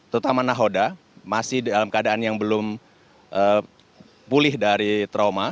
terutama nahoda masih dalam keadaan yang belum pulih dari trauma